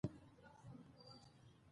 افغانستان د سرحدونه په اړه علمي څېړنې لري.